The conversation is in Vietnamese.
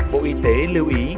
bộ y tế lưu ý